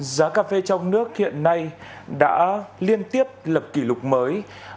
giá cà phê trong nước hiện nay đã liên tiếp lập kỷ lục mới